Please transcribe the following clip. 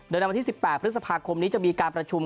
โดยในวันที่๑๘พฤษภาคมนี้จะมีการประชุม